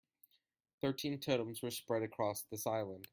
Thirteen totems were spread across this island.